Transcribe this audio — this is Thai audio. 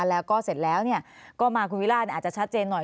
แล้วก็เสร็จแล้วก็มาคุณวิราชอาจจะชัดเจนหน่อย